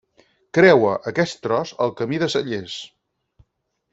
Creua aquest tros el Camí de Cellers.